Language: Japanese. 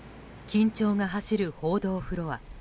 緊張が走る報道フロア。